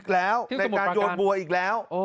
ในการโยนบัวอีกแล้ว